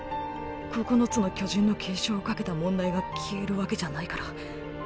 九つの巨人の継承を懸けた問題が消えるわけじゃないから。